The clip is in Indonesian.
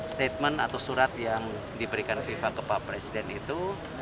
statement atau surat yang diberikan viva ke pak presiden itu